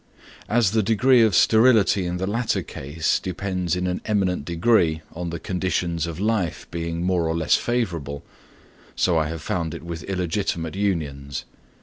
As the degree of sterility in the latter case depends in an eminent degree on the conditions of life being more or less favourable, so I have found it with illegitimate unions.